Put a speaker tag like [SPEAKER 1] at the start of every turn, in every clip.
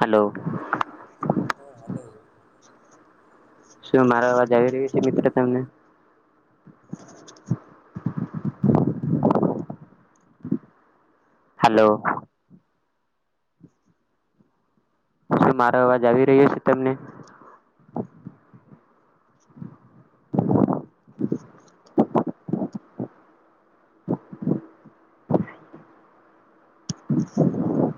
[SPEAKER 1] Hello.
[SPEAKER 2] હા, hello.
[SPEAKER 1] શું મારો અવાજ આવી રહ્યો છે મિત્ર તમને? [inaudible] હલો. શું મારો અવાજ આવી રહ્યો છે તમને? [inaudible] [inaudible]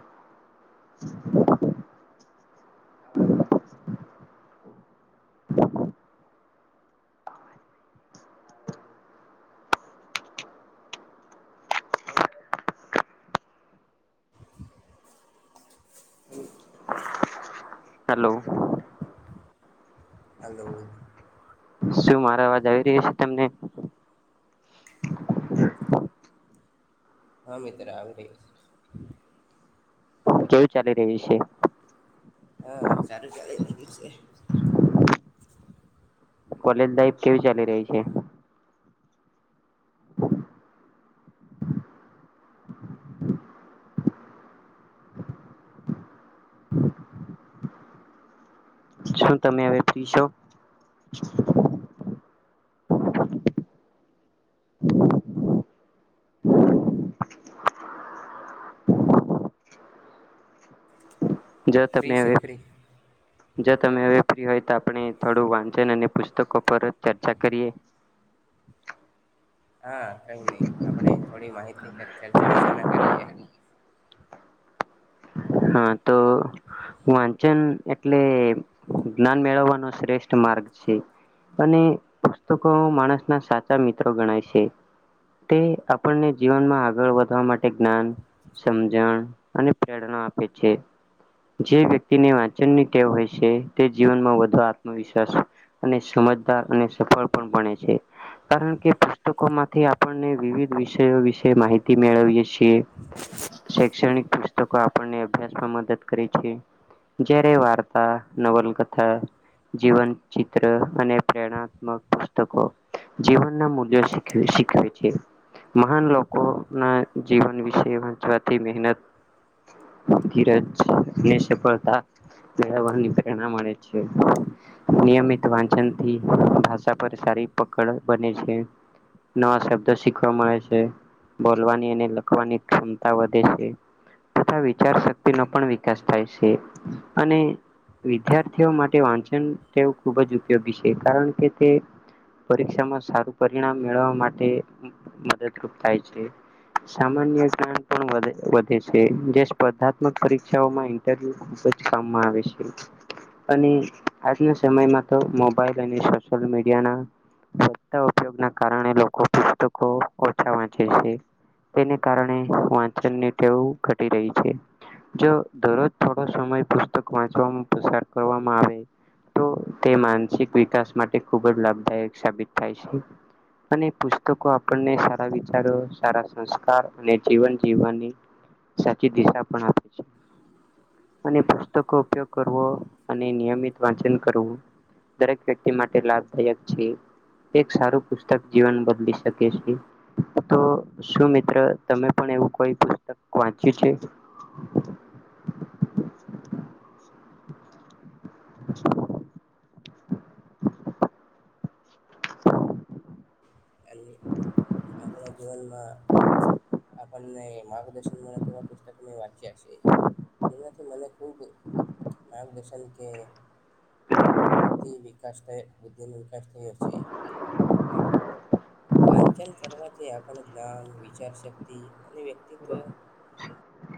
[SPEAKER 1] હલો.
[SPEAKER 2] હલો.
[SPEAKER 1] શું મારો અવાજ આવી રહ્યો છે તમને?
[SPEAKER 2] હા મિત્ર આવી રહ્યો છે.
[SPEAKER 1] કેવું ચાલી રહ્યું છે?
[SPEAKER 2] હા સારું ચાલી રહ્યું છે.
[SPEAKER 1] કોલેજ લાઈફ કેવી ચાલી રહી છે? શું તમે હવે ફ્રી છો? જો તમે
[SPEAKER 2] ફ્રી
[SPEAKER 1] હવે
[SPEAKER 2] છું ફ્રી
[SPEAKER 1] જો તમે હવે ફ્રી હોય તો આપણે થોડું વાંચન અને પુસ્તકો પર ચર્ચા કરીએ. [inaudible]
[SPEAKER 2] હા. કંઈ નહીં. આપડે થોડી માહિતી ચર્ચા વિચારણા કરીએે.
[SPEAKER 1] હા તો, વાંચન એટલે જ્ઞાન મેળવવાનો શ્રેષ્ઠ માર્ગ છે. અને પુસ્તકો માણસ ના સાચા મિત્રો ગણાય છે. તે આપણને જીવનમાં આગળ વધવા માટે જ્ઞાન સમજણ અને પ્રેરણા આપે છે જે વ્યક્તિને, વાંચનની ટેવ હોય છે. તે જીવનમા વધુ આત્મવિશ્વાસ અને સ મજદાર અને સફળ, [inaudible] છે કારણ કે પુસ્તકો માંથી આપણને, વિવિધ વિષયો વિશે માહિતી મેળવીયએ છીએ શૈક્ષણિક, પુસ્તકો આપણને અભ્યાસમાં મદદ કરે છે જ્યારે, વાર્તા નવલકથા જીવન ચિત્ર અને પ્રેરણાત્મક પુસ્તકો જીવનના મૂલ્યો શીખવે શીખવે છે. મહાન લોકો ના જીવન વિશે વાંચવાથી મહેનત ધીરજ ને સફળતા મેળવવાની પ્રેરણા મળે છે. નિયમિત વાંચનથી ભાષા પર સારી પકડ બને છે. નવા શબ્દો શીખવા મળે છે. બોલવાની અને લખવાની ક્ષમતા વધે છે. તથા વિચાર શક્તિ નો પણ વિકાસ થાય છે અને વિદ્યાર્થીઓ માટે વાંચન ટેવ ખૂબ જ ઉપયોગી છે કારણ કે તે પરીક્ષામાં સારું પરિણામ મેળવવા માટે મદદરૂપ થાય છે. સામાન્ય શ્યાન પણ વધે વધે છે જે સ્પર્ધાત્મક પરીક્ષાઓમાં ન્ટર્યુ ખુબ જ કામમાં આવે છે. અને આજના સમયમાં તો મોબાઈલ અને સોશિયલ મીડિયાના વધતા ઉપયોગ ના કારણે લોકો પુસ્તકો ઓછા વાંચે છે. તેને કારણે વાંચનની ટેવ ઘટી રહી છે જો દરરોજ થોડો સમય પુસ્તક, વાચવામા પસાર કરવામાં આવે તો તે માનસિક, વિકાસ માટે ખુબજ, લાભદાયક સાબિત થાય છે અને પુસ્તકો, આપણને સારા વિચારો સારા સંસ્કાર અને જીવન જીવવાની સાચી દિશા પણ આપે છે અને પુસ્તકો ઉપયોગ કરવો, અને નિયમિત વાંચન કરવું દરેક વ્યક્તિ, માટે લાભદાયક છે એક સારું પુસ્તક જીવન, બદલી શકે છે. તો શું મિત્ર તમે પણ એવું કોઈ પુસ્તક વાંચ્યુ છે [inaudible]
[SPEAKER 2] અને આપણા જીવનમા આપને, માર્ગદર્શન [unintelligible] પુસ્તક મે વાંચીયા સે જેનાથી, મને ખૂબ માર્ગદર્શન કે [unintelligible] વાંચન કરવાથી, આપણે જ્ઞાન વિચાર શક્તિ અને વ્યક્તિત્વ
[SPEAKER 1] [inaudible]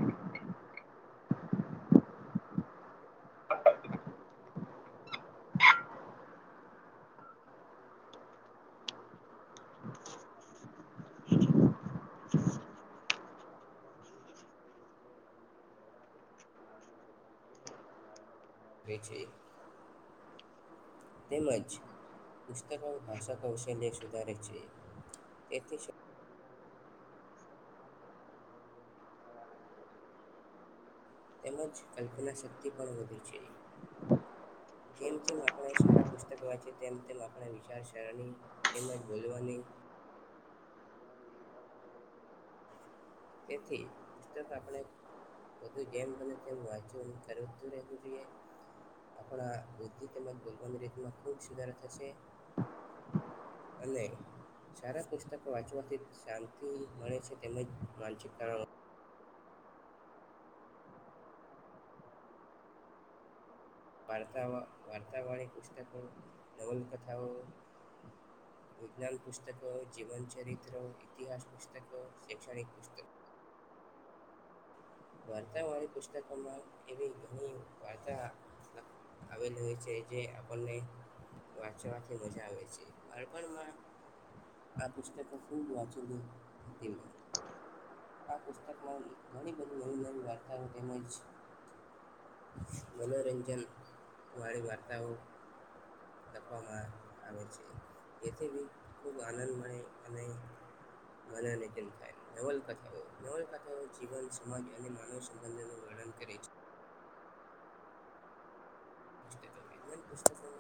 [SPEAKER 2] એ, છે તેમજ પુસ્તકો, ભાષા કૌશલ્ય સુધારે છે. તેથી તેમજ કલ્પના, શક્તિ પણ વધી છે
[SPEAKER 1] [inaudible]
[SPEAKER 2] જેમ, જેમ આપણે સારા પુસ્તક વાંચી તેમ તેમ આપણે [unintelligible] તેમજ બોલવાની તેથી, આપણે બધું, જેમ બને તેમ વાંચું કરતું રહેવું જોઈએ આપણા, બુદ્ધિ તેમજ બોલવાની રીત માં ખુબ સુધારા થશે અને સારા, પુસ્તકો વાંચવાથી શાંતિ મળે છે. તેમજ માનસિકતાણ વાર્તા વાર્તાવાળી, પુસ્તકો નવલકથાઓ
[SPEAKER 1] [inaudible]
[SPEAKER 2] વિજ્ઞાન પુસ્તકો, જીવન ચરિત્ર, ઇતિહાસ પુસ્તકો, શૈક્ષણિક પુસ્તક
[SPEAKER 1] [inaudible]
[SPEAKER 2] વાર્તા વાળી પુસ્તકોમાં એવી ઘણી વાર્તા આવેલ હોય છે જે આપણને વાંચવાથી મજા આવે છે. બાળપણમાં આ પુસ્તકો ખૂબ વચ્ચે લે આ પુસ્તકમા, ઘણી બધી નવી નવી વાર્તાઓ તેમજ મનોરંજનવાળી, વાારર્તાઓ આપવામાં આવે છે. એથી, બી ખૂબ આનંદ મળે અને મનોરંજન થાય, નવલકથાઓ નવલકથાઓ જીવન સમાજ અને માનવ સંબંધોનુ, વર્ણન કરે છે. [inaudible]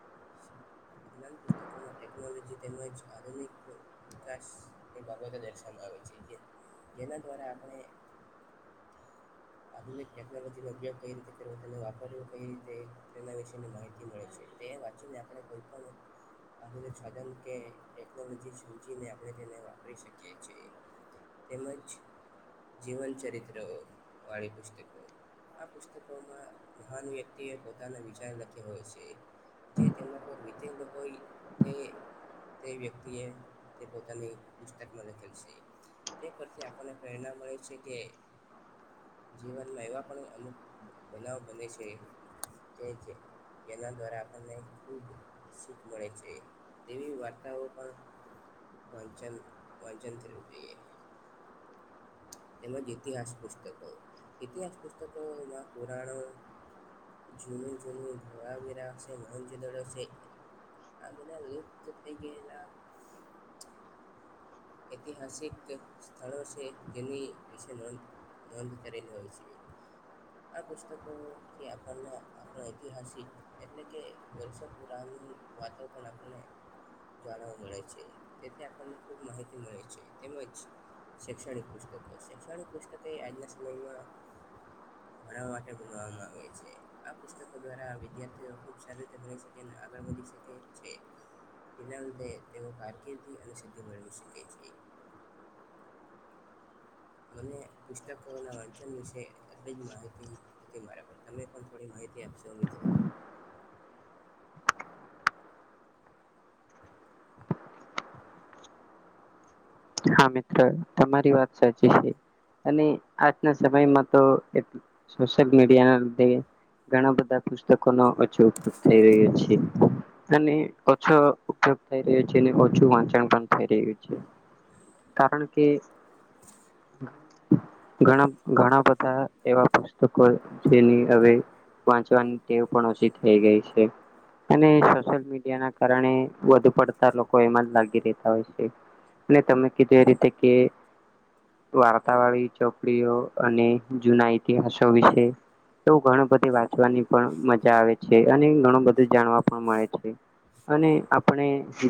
[SPEAKER 1] [inaudible]
[SPEAKER 2] વિજ્ઞાન પુસ્તકોમા ટેકનોલોજી, તેમજ આધુનિક વિકાસની બાબતો દર્શાવવા
[SPEAKER 1] [inaudible]
[SPEAKER 2] જેના, દ્વારા આપણે
[SPEAKER 1] [inaudible]
[SPEAKER 2] આધુનિક, ટેકનોલોજીનો ઉપયોગ કઈ રીતે કરવો તેને વાપરવુ કઈ રીતે, તેના વિશે માહિતી મળે છે. તે વાંચીને આપડે કોઈ પણ આધુનિક સાધન કે ટેકનોલોજી સમજીને આપણે તેને વાપરી શકીએ છીએ. તેમજ જીવન ચરિત્ર વાળી પુસ્તકો આ પુસ્તકોમાં મહાન વ્યક્તિ એ પોતાના વિચાર લખ્યા હોય છે. જે તેમના પર વીતેેલ હોય તે તે વ્યક્તિ એ તે પોતાની પુસ્તકમાં લખેલ છે. તે પરથી આપણને પ્રેરણા મળે છે કે જીવનમાં એવા પણ અમુક બનાવ બને છે [unintelligible] જેના દ્વારા આપણને ખુબ શીખ મળે છે. તેવી વાર્તાઓ પણ વાંચન વાંચન થવું જોઈએ. તેમજ ઈતિહાસ પુસ્તકો, ઈતિહાસ પુસ્તકોમાં પુરાણો જુનુ જુનું ધોળાવીરા છે મોહેંજો દડો છે આ બધાં લુપ્ત થઈ ગેલા ઐતિહાસિક સ્થળો છે. જેની વિશે નોંધ નોંધ કરેલ હોય છે. આ પુસ્તકો આપણને આપ ઐતિહાસિક એટલે કે [unintelligible] વાતો પણ આપણને જાણવા મળે છે. જેથી આપણને ખૂબ માહિતી મળે છે. તેમજ શૈક્ષણિક પુસ્તકો, શૈક્ષણિક પુસ્તકે આજના સમયમાં ભણવા માટે ભણવામાં આવે છે આ પુસ્તકો દ્વારા વિદ્યાર્થીઓ ખુબ સારી રીતે ભણી શકે ને આગળ વધી શકે છે. તેના લીધે તે કારકિર્દી અને સિદ્ધિ મેળવી શકે. છે મને પુસ્તકો ના વાંચન વિશે એટલી જ માહિતી હતી મારા પર તમે પણ થોડી ઘણી માહિતી આપશો મિત્ર?
[SPEAKER 1] [inaudible] હા મીતર તમારી વાત સાચી છે. અને આજના સમયમાં તો એ સોશિયલ મીડિયા ના લીધે. ઘણા બધા પુસ્તકોનો પાછો ઉપયોગ થઈ રહ્યો છે. અને ઓછો ઉપયોગ થઈ રહ્યો છે, ઓછું વાંચણ પણ થઈ રહ્યું છે કારણકે ઘણા, ઘણા બધા એવા પુસ્તકો જેની હવે વાંચવાની ટેવ પણ ઓછી થઈ ગઈ છે અને સોશિયલ મીડિયા ના કારણે વધુ પડતા લોકો એમાંજ લાગી રહેતા હોય છે અને તમે કીધું એ રીતે કે વાર્તા વાળી ચોપડીઓ અને જૂના ઈતિહાસો વિશે એવુ ઘણી બધી વાંચવાની પણ મજા આવે છે, અને ઘણું બધું જાણવા પણ મળે છે અને આપણે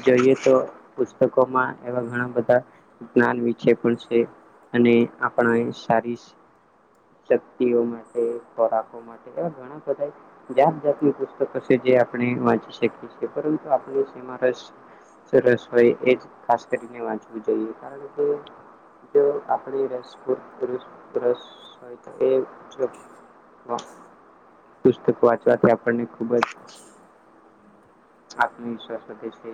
[SPEAKER 1] જોઈએ તો પુસ્તકોમાં એવા ઘણા બધા જ્ઞાન વિચે પણ છે અને આપણે સારી શક્તિઓ માટે, ખોરાકો માટે એવા ઘણા બધા જાત જાતની પુસ્તક હશે. જે આપણી વાંચી શકીએ છીએ, પરંતુ આપણે સેમા રસ સરસ હોય એ જ ખાસ કરીને વાંચવું જોઈએ કારણ કે જો આપણી રસપુર પુરુષ રસ હોય કે જો પુસ્તક વાંચવાથી આપણ ને ખુબ જ આત્મવિશ્વાસ વધે છે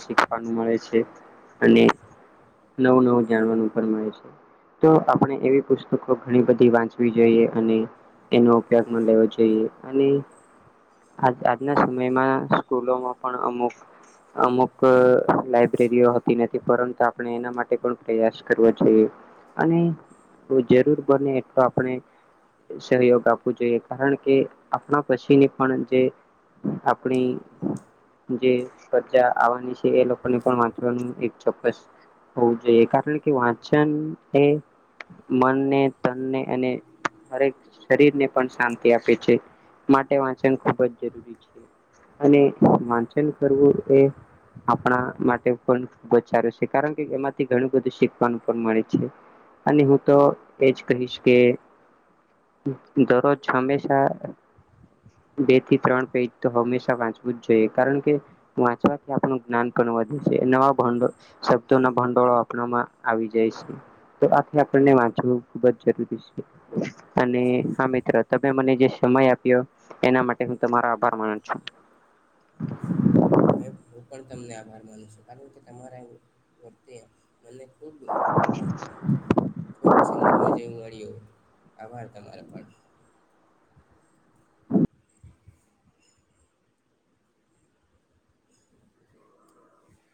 [SPEAKER 1] શીખવાનું મળે છે અને નવું નવું જાણવાનું પણ મળે છે તો આપણે એવી પુસ્તકો ઘણી બધી વાંચવી જોઈએ અને એનો ઉપયોગમાં લેવો જોઈએ અને આજ આજના સમયમાં સ્કૂલોમાં પણ અમુક અમુક લાઈબ્રેરી રીયો હતી ને તે પરણતા પણ એના માટે પણ પ્રયાસ કરવો જોઈએ અને તો જરૂર બને તો આપણે સહયોગ આપવું જોઈએ કારણ કે આપણા પછીની પણ જે આપણી જે પ્રજા આવવાની છે એ લોકોને પણ વાચવાનું એક ચોક્કસ હોવું જોઈએ કારણ કે વાંચન એ મનને તન ને અને હરેક શરીરને પણ શાંતિ આપે છે માટે વાંચન ખૂબ જ જરૂરી છે. અને વાંચન કરવું એ આપણા માટે પણ ખુબ જ સારું છે. કારણ કે એમાંથી ઘણું બધું શીખવાનું પણ મળે છે. અને હું તો એજ કહીશ કે દરરોજ હંમેશા બે થી ત્રણ પેજ તો હંમેશા વાંચવું જ જોઈએ કારણ કે વાંચવાથી આપણું જ્ઞાન પણ વધુ છે નવા ભંડોળ શબ્દોના ભંડોળો આપણામાં આવી જાય છે. તો આથી આપણને વાંચવું ખુબ જ જરૂરી છે અને હા મિત્ર તમે મને જે સમય આપ્યો એના માટે હું તમારો આભાર માનું છું.
[SPEAKER 2] હું પણ તમને આભાર માનું છું કારણ કે તમારા [unintelligible] અને ખૂબ ખૂબ સમજવા જેવું મળ્યું આભાર તમારો પણ